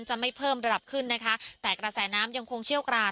จะไม่เพิ่มระดับขึ้นนะคะแต่กระแสน้ำยังคงเชี่ยวกราน